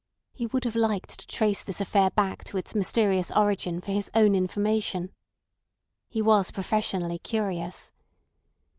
He would have liked to trace this affair back to its mysterious origin for his own information. He was professionally curious.